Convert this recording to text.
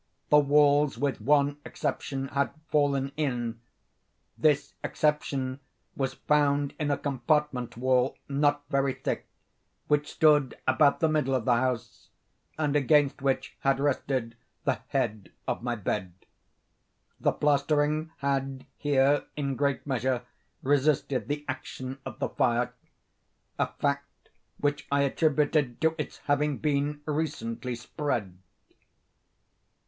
The walls, with one exception, had fallen in. This exception was found in a compartment wall, not very thick, which stood about the middle of the house, and against which had rested the head of my bed. The plastering had here, in great measure, resisted the action of the fire—a fact which I attributed to its having been recently spread.